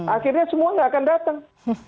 akhirnya semua nggak akan datang